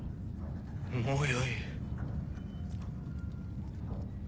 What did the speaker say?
もうよい。